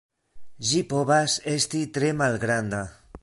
Ĝi povas esti tre malgranda.